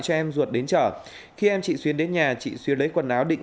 cho em ruột đến chợ khi em chị xuyến đến nhà chị xuyến lấy quần áo định